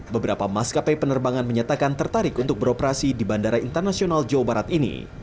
beberapa maskapai penerbangan menyatakan tertarik untuk beroperasi di bandara internasional jawa barat ini